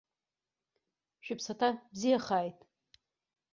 Шәыԥсаҭа бзиахааит!